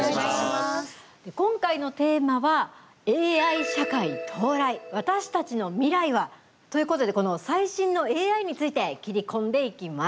今回のテーマはということでこの最新のＡＩについて切り込んでいきます。